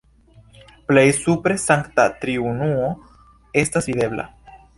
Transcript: Plej supre Sankta Triunuo estas videbla.